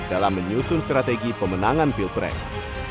dalam menyusun strategi pemenangan pilpres